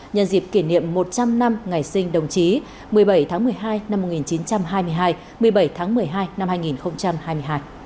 nhân dịp kỷ niệm một trăm linh năm ngày sinh đồng chí một mươi bảy tháng một mươi hai năm một nghìn chín trăm hai mươi hai một mươi bảy tháng một mươi hai năm hai nghìn hai mươi hai